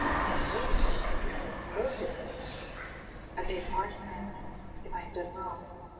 It is late, and the Cathedral is closed at night." "I beg pardon, Your Eminence, if I have done wrong.